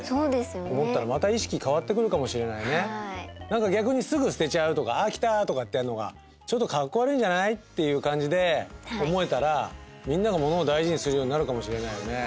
何か逆にすぐ捨てちゃうとか飽きた！とかってやるのがちょっとかっこ悪いんじゃない？っていう感じで思えたらみんながものを大事にするようになるかもしれないよね。